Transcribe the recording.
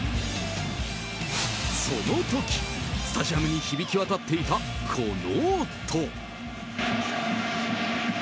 その時、スタジアムに響き渡っていたこの音。